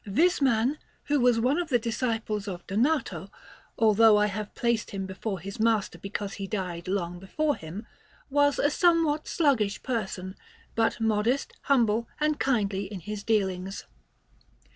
This man, who was one of the disciples of Donato, although I have placed him before his master because he died long before him, was a somewhat sluggish person, but modest, humble, and kindly in his dealings.